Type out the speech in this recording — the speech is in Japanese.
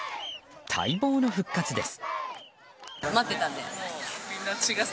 待望の復活です。